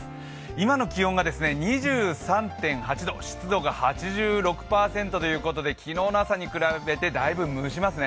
今の気温が２３．８度、湿度が８６％ということで昨日の朝に比べてだいぶ蒸しますね。